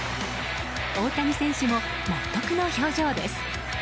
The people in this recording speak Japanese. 大谷選手も納得の表情です。